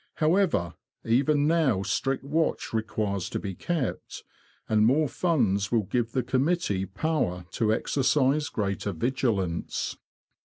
However, even now strict watch requires to be kept, and more funds will give the committee power to exercise greater vigilance.